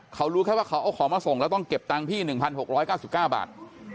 เขารู้แค่ว่าเขาเอาของมาส่งแล้วต้องเก็บตังค์พี่๑๖๙๙บาท